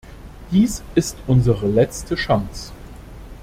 Dies ist unsere letzte Chance.